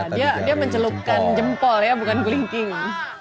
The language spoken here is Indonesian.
dia mencelupkan jempol ya bukan glingking